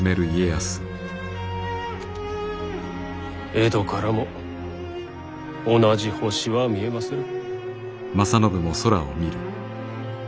江戸からも同じ星は見えまする。